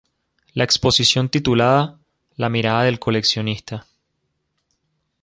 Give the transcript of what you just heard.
La exposición titulada "La Mirada del Coleccionista.